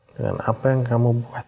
dengan apa yang kamu buat